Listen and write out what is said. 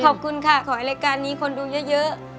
ขอบคุณค่ะขอให้รายการนี้คนดูเยอะ